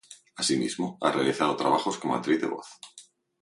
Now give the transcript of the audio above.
Asimismo, ha realizado trabajos como actriz de voz.